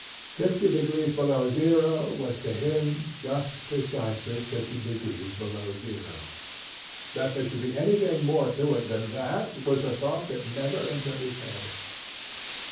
Fifty degrees below zero was to him just precisely fifty degrees below zero. That there should be anything more to it than that was a thought that never entered his head.